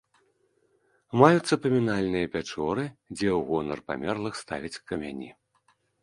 Маюцца памінальныя пячоры, дзе ў гонар памерлых ставяць камяні.